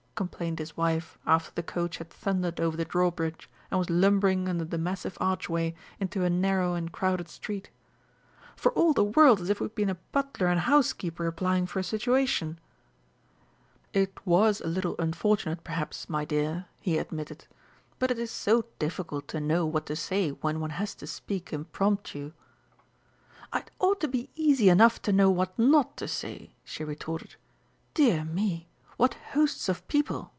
complained his wife after the coach had thundered over the drawbridge, and was lumbering under the massive archway into a narrow and crowded street, "for all the world as if we had been a butler and housekeeper applying for a situation!" "It was a little unfortunate, perhaps, my dear," he admitted; "but it is so difficult to know what to say when one has to speak impromptu." "It ought to be easy enough to know what not to say," she retorted. "Dear me, what hosts of people!"